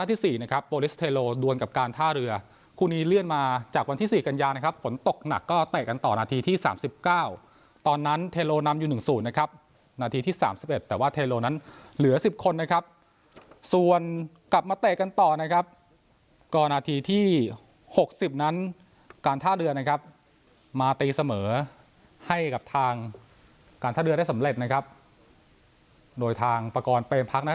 ตีเสมอให้กับทางการทะเลือดได้สำเร็จนะครับโดยทางประกอบเปลี่ยนพักนะครับ